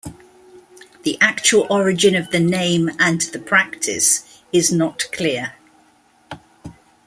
The actual origin of the name and the practice is not clear.